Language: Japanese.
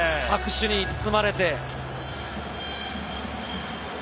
拍手に包まれて。